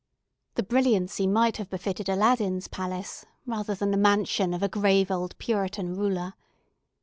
The brilliancy might have befitted Aladdin's palace rather than the mansion of a grave old Puritan ruler.